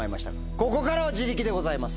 ここからは自力でございます。